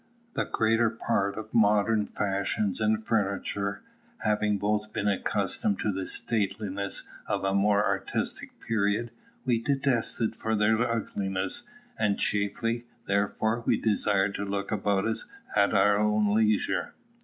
The greater part of modern fashions in furniture, having both been accustomed to the stateliness of a more artistic period, we detested for their ugliness, and chiefly, therefore, we desired to look about us at our leisure.